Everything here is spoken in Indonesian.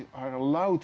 ya saya melihat